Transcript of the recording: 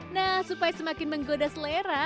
nah supaya semakin menggoda selera